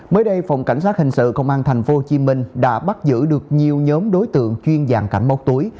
mới đây phòng cảnh sát hình sự công an tp hcm đã bắt giữ được nhiều nhóm đối tượng chuyên giàn cảnh móc túi